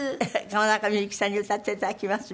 川中美幸さんに歌っていただきます